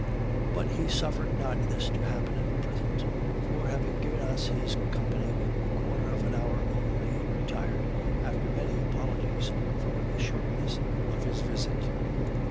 But he suffered not this to happen at present; for, having given us his company a quarter of an hour only, he retired, after many apologies for the shortness of his visit.